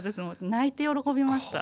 泣いて喜びました。